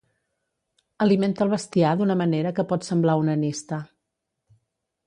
Alimenta el bestiar d'una manera que pot semblar onanista.